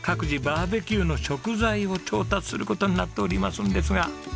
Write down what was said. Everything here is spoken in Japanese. バーベキューの食材を調達する事になっておりますんですが。